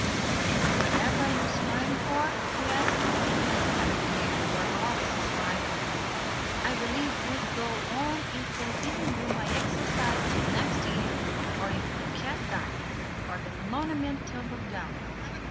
"And whatever are you smiling for?" he asked; "I believe you are always smiling. I believe you'd go on if I didn't do my exercise till next year, or if the cat died, or the monument tumbled down."